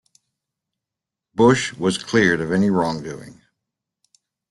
Bush was cleared of any wrongdoing.